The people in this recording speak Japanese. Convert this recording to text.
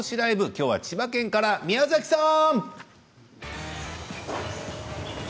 きょうは千葉県から宮崎さん。